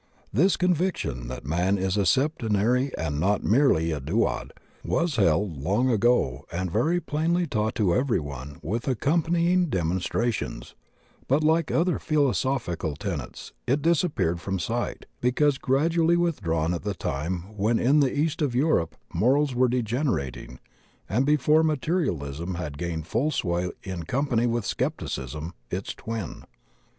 This conviction that man is a septenary and not merely a duad, was held long ago and very plainly taught to every one with accompanying demonstrations, but like other philosophical tenets it disappeared from sight, because gradually withdrawn at the time when in the east of Europe morals were degenerating and before materialism had gained full sway in company with scepticism, its twin.